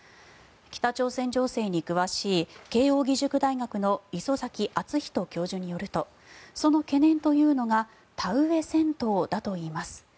北朝鮮情勢に詳しい慶應義塾大学の礒崎敦仁教授によるとその懸念というのが田植え戦闘だといいます。